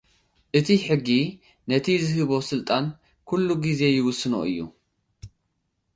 እቲ ሕጊ፡ ነቲ ዝሃቦ ስልጣን ኩሉ ግዜ ይውስኖ እዩ።